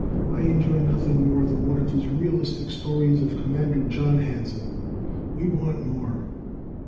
I enjoy nothing more than one of his realistic stories of Commander John Hanson. We want more!